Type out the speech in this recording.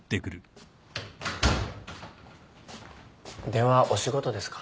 電話お仕事ですか？